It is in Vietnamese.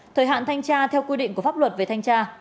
thời hạn thanh tra theo quy định của pháp luật về thanh tra